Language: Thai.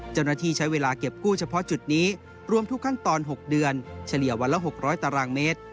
เจ้าหน้าที่ใช้เวลาเก็บกู้เฉพาะจุดนี้รวมทุกขั้นตอน๖เดือนเฉลี่ยวันละ๖๐๐ตารางเมตร